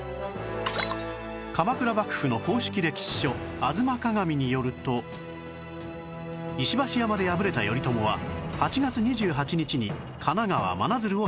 鎌倉幕府の公式歴史書『吾妻鏡』によると石橋山で敗れた頼朝は８月２８日に神奈川真鶴を出発